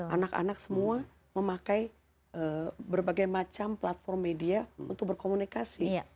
anak anak semua memakai berbagai macam platform media untuk berkomunikasi